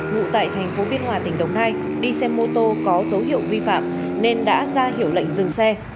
ngụ tại thành phố biên hòa tỉnh đồng nai đi xe mô tô có dấu hiệu vi phạm nên đã ra hiệu lệnh dừng xe